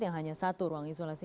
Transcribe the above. yang hanya satu ruang isolasi